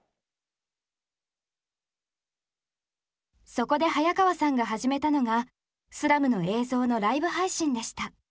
そこで早川さんが始めたのがスラムの映像のライブ配信でした。